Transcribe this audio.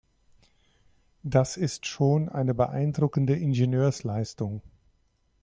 Das ist schon eine beeindruckende Ingenieursleistung.